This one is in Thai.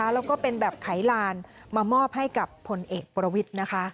แล้วก็เป็นแบบไขลานมามอบให้กับผลเอกประวิทย์นะคะ